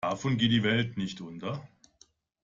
Davon geht die Welt nicht unter.